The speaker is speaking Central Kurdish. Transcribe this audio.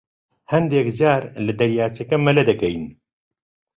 هەندێک جار لە دەریاچەکە مەلە دەکەین.